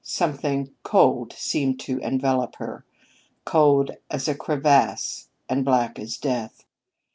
Something cold seemed to envelop her cold as a crevasse and black as death.